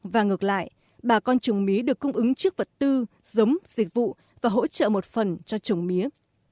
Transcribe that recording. và ngược lại bà con trồng mía được cung ứng trước vật tư giống dịch vụ và hỗ trợ một phần cho trồng mía